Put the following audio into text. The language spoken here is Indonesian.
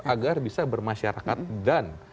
agar bisa bermasyarakat dan